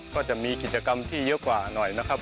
ก็จะมีกิจกรรมที่เยอะกว่าหน่อยนะครับ